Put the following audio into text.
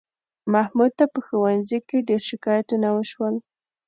محمود ته په ښوونځي کې ډېر شکایتونه وشول